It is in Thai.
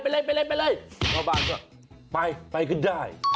พ่อบ้านก็ไปไปก็ได้